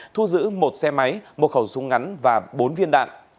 thu giữ một xe máy một khẩu súng ngắn và bốn viên đạn